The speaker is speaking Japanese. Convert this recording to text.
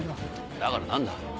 だから何だ。